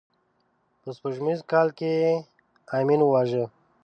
په سپوږمیز کال کې یې امین وواژه.